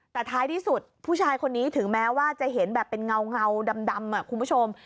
แต่ท้ายที่สุดผู้ชายคนนี้ถึงแม้ว่าจะเห็นแบบเป็นเงาดำคุณผู้ชม